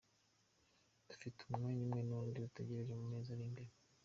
Dufite umwana umwe n’undi dutegereje mu mezi ari imbere.